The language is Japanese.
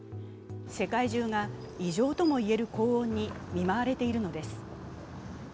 世界中が異常とも言える高温に見舞われているのです。